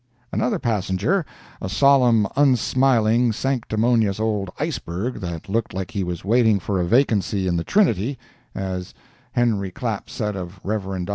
Another passenger—a solemn, unsmiling, sanctimonious old iceberg that looked like he was waiting for a vacancy in the Trinity, as Henry Clapp said of Rev. Dr.